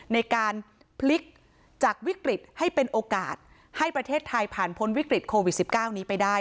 ในการพลิกจากวิกฤตให้เป็นโอกาสให้ประเทศไทยผ่านพ้นวิกฤตโควิด๑๙นี้ไปได้